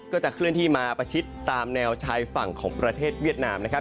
ก็จะเคลื่อนที่มาประชิดตามแนวชายฝั่งของประเทศเวียดนามนะครับ